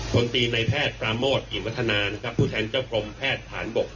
ตรีในแพทย์ปราโมทกิจวัฒนานะครับผู้แทนเจ้ากรมแพทย์ฐานบก